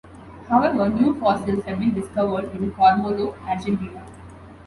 However, new fossils have been discovered in Cormollo, Argentina.